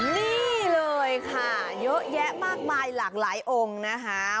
นี่เลยค่ะเยอะแยะมากมายหลากหลายองค์นะคะ